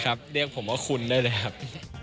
เรียกผมว่าคุณได้เลยครับ